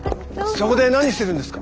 そこで何してるんですか？